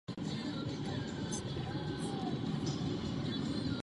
Členy poradního sboru zemského vedení jmenoval zemský vůdce.